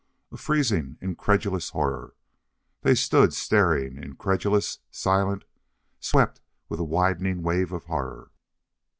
A freezing, incredulous horror. They stood staring, incredulous, silent, swept with a widening wave of horror.